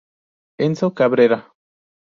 Enzo Cabrera